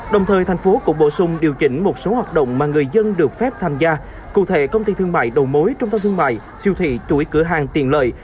đồng thời thành phố cũng bổ sung điều chỉnh một số hoạt động mà người dân được phép tham gia cụ thể công ty thương mại đầu mối trung tâm thương mại siêu thị chuỗi cửa hàng tiện lợi